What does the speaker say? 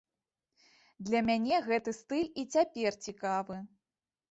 Для мяне гэты стыль і цяпер цікавы.